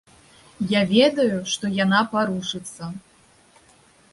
Я ведаю, што яна парушыцца.